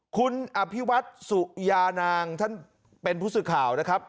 คุณอภิวัตสุยานางท่านเป็นผู้สื่อข่าวนะครับ